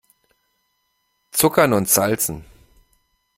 Zuckern und Salzen!